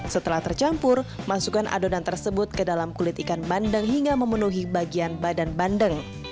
setelah tercampur masukkan adonan tersebut ke dalam kulit ikan bandeng hingga memenuhi bagian badan bandeng